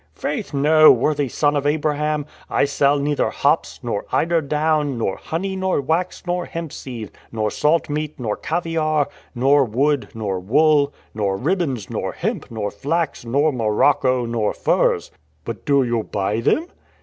"Faith, no, worthy son of Abraham! I sell neither hops, nor eider down, nor honey, nor wax, nor hemp seed, nor salt meat, nor caviare, nor wood, nor wool, nor ribbons, nor, hemp, nor flax, nor morocco, nor furs." "But do you buy them?"